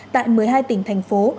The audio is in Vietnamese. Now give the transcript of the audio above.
tại một mươi hai tỉnh thành phố